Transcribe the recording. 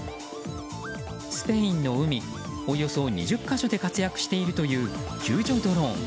スペインの海、およそ２０か所で活躍しているという救助ドローン。